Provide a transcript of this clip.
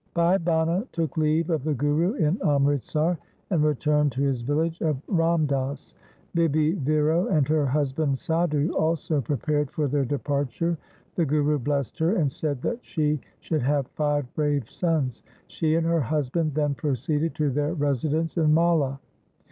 Bhai Bhana took leave of the Guru in Amritsar and returned to his village of Ramdas. Bibi Viro and her husband Sadhu also prepared for their departure. The Guru blessed her, and said that she should have five brave sons. She and her husband then proceeded to their residence in Malha.